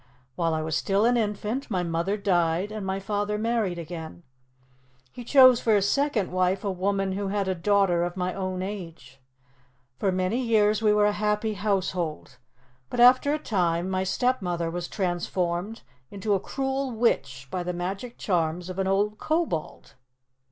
While I was still an infant, my mother died and my father married again. He chose for his second wife a woman who had a daughter of my own age. For many years we were a happy household, but after a time my stepmother was transformed into a cruel witch by the magic charms of an old Kobold."